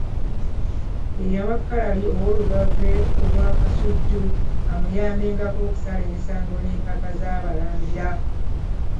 Ye yawa Kalali ow'Olugave Obwakasujju amuyambenga okusala emisango n'empaka z'Abalangira.